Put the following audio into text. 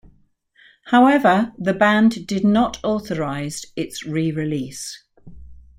However, the band did not authorize its re-release.